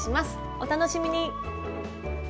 お楽しみに！